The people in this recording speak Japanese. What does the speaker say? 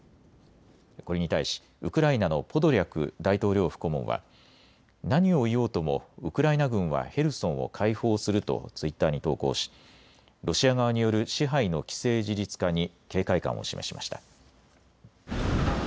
これに対しウクライナのポドリャク大統領府顧問は何を言おうともウクライナ軍はヘルソンを解放するとツイッターに投稿しロシア側による支配の既成事実化に警戒感を示しました。